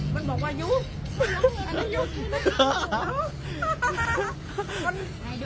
มันบอกว่ายูอันนี้ยู